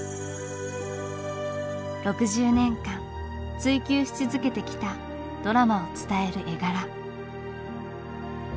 ６０年間追求し続けてきたドラマを伝える絵柄。